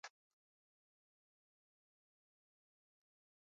غول د معافیت قاضي دی.